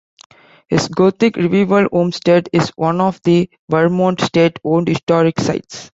His Gothic Revival Homestead is one of the Vermont State-Owned Historic Sites.